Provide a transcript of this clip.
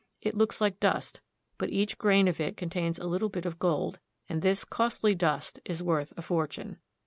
It looks like dust, but each grain of it contains a little bit of gold, and this costly dust is worth a fortune.